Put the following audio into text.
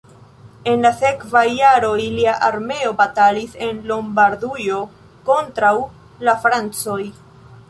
En la sekvaj jaroj lia armeo batalis en Lombardujo kontraŭ la francoj.